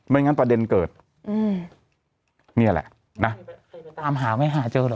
งั้นประเด็นเกิดอืมนี่แหละนะตามหาไม่หาเจอหรอ